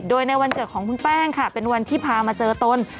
โดยในวันเกิดของคุณแป้งค่ะเป็นวันที่พามาเจอตน